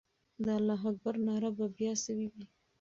د الله اکبر ناره به بیا سوې وي.